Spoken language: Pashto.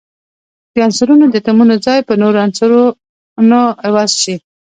د عنصرونو د اتومونو ځای په نورو عنصرونو عوض شي.